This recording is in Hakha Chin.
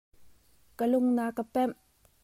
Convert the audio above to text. Ka lung na ka pemh.